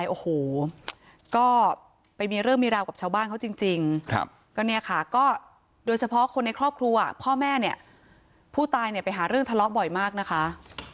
โอ้โหก็ไปมีเรื่องมีราวกับชาวบ้านเขาจริงก็เนี่ยค่ะก็โดยเฉพาะคนในครอบครัวพ่อแม่เนี่ยผู้ตายเนี่ยไปหาเรื่องทะเลาะบ่อยมากนะคะ